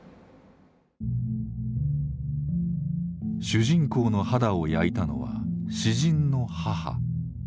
主人公の肌を焼いたのは詩人の母。